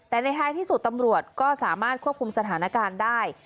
แต่ในท้ายที่สุดตำรวจก็สามารถควบคุมสถานการณ์ได้